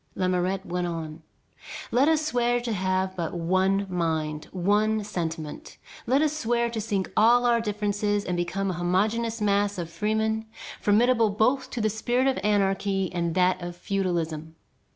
Lamourette went on: "Let us swear to have but one mind, one sentiment. Let us swear to sink all our differences and become a homogeneous mass of freemen formidable both to the spirit of anarchy and that of feudalism.